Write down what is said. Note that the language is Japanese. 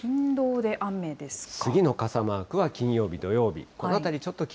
次の傘マークは金曜日、土曜日。